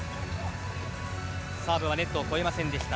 サーブはネットを越えませんでした。